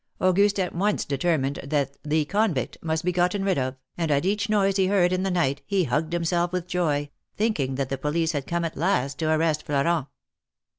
Auguste at once determined that ^^the convict'' must be gotten rid of, and at each noise he heard in the night, he hugged himself with joy, thinking that the police had come at last to arrest Florent.